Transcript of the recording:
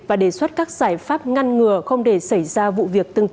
và đề xuất các giải pháp ngăn ngừa không để xảy ra vụ việc tương tự